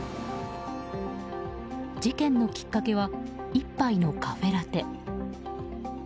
事件のきっかけは１杯のカフェラテ。